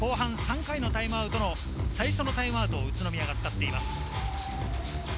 後半３回のタイムアウトの最初のタイムアウトを宇都宮が使っています。